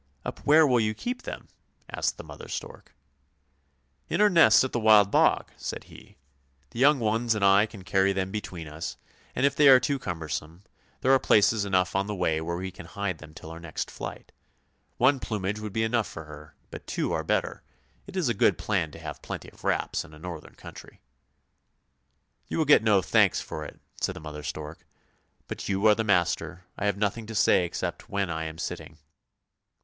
" Up where will you keep them? " asked the mother stork. " In our nest at the Wild Bog," said he. " The young ones and I can carry them between us, and if they are too cumber some, there are places enough on the way where we can hide them till our next flight. One plumage would be enough for her, but two are better; it is a good plan to have plenty of wraps in a northern country! "" You will get no thanks for it," said the mother stork; " but you are the master. I have nothing to say except when I am sitting."